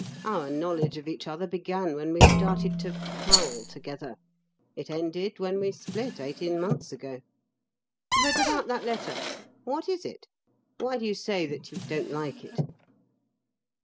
Our knowledge of each other began when we started to 'pal' together it ended when we split, eighteen months ago. But about that letter? What is it? Why do you say that you don't like it?"